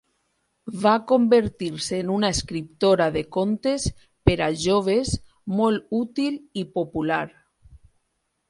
Va convertir-se en una escriptora de contes per a joves molt útil i popular.